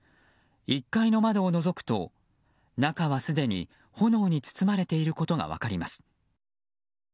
１階の窓をのぞくと、中はすでに炎に包まれていることが分かります。